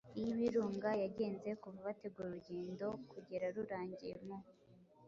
iy’Ibirunga yagenze kuva bategura urugendo kugera rurangiye. Mu